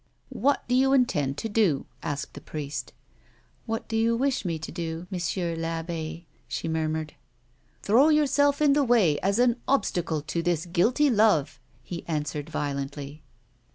'• What do you intend to do 1 " asked the priest. " What do you wish me to do, Monsieur I'abbe 1 " slie mur mured. " Throw yourself in the way as an obstacle to this guilty love," he answered, violently.